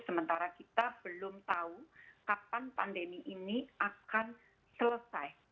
sementara kita belum tahu kapan pandemi ini akan selesai